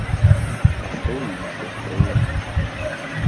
А што ў іншых краінах?